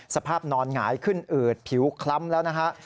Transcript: สภาพนอนหงายขึ้นอืดผิวคล้ำแล้วนะฮะ